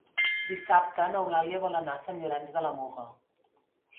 Dissabte n'Eulàlia vol anar a Sant Llorenç de la Muga.